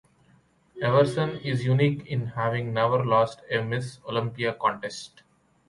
Everson is unique in having never lost a Ms. Olympia contest.